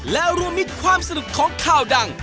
แล้วรวมมิตรความสนุกของข่าวดัง